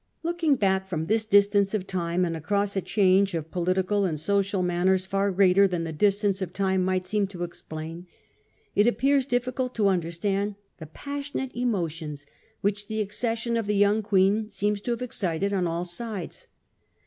Looking back from this distance of time and across a change of political and social manners far greater than the distance of time might seem to explain, it appears difficult to understand the passionate emotions which the accession of the young Queen seems to have excited on all sides.